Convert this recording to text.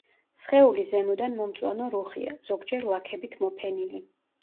სხეული ზემოდან მომწვანო რუხია, ზოგჯერ ლაქებით მოფენილი.